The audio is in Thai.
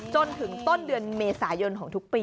จนถึงต้นเดือนเมษายนของทุกปี